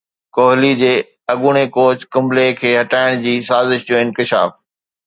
ڪوهلي جي اڳوڻي ڪوچ ڪمبلي کي هٽائڻ جي سازش جو انڪشاف